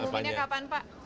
diumuminnya kapan pak